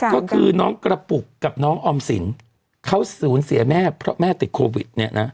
ก็คือน้องกระปุกกับน้องออมสินเขาสูญเสียแม่เพราะแม่ติดโควิดเนี่ยนะ